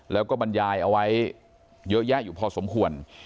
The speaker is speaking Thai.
แล้วก็บรรยายเอาไว้เยอะแยะอยู่พอสมควร